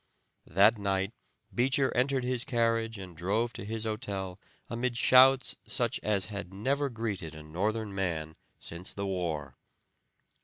That night Beecher entered his carriage and drove to his hotel amid shouts, such as had never greeted a Northern man since the war."